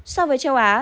so với châu á